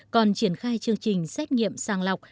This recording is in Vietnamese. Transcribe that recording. còn triển khai chương trình xét nghiệm sàng lọc